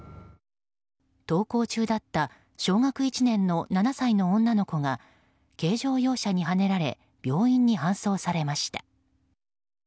登校中だった小学１年の７歳の女の子が軽乗用車にはねられ病院に搬送されました。